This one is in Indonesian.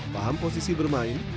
paham posisi bermain